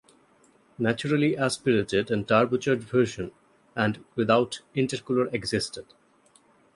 Naturally aspirated and turbocharged versions with and without intercooler existed.